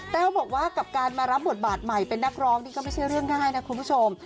บอกว่ากับการมารับบทบาทใหม่เป็นนักร้องนี่ก็ไม่ใช่เรื่องง่ายนะคุณผู้ชม